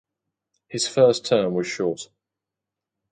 His first term was short.